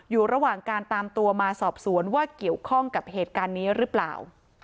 อยู่ระหว่างการตามตัวมาสอบสวนว่าเกี่ยวข้องกับเหตุการณ์นี้หรือเปล่า